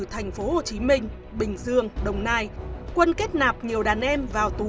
tp hcm bình dương đồng nai quân kết nạp nhiều đàn em vào tù giam